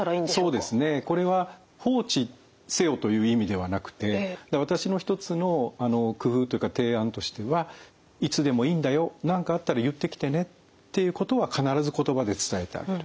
そうですねこれは「放置せよ」という意味ではなくて私の一つの工夫というか提案としては「いつでもいいんだよ何かあったら言ってきてね」っていうことは必ず言葉で伝えてあげる。